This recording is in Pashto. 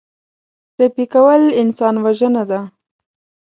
ټپي کول انسان وژنه ده.